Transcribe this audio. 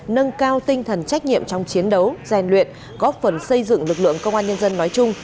nâng cao tinh thần trách nhiệm trong chiến đấu gian luyện góp phần xây dựng lực lượng công an nhân dân nói chung